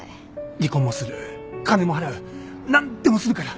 離婚もする金も払う何でもするから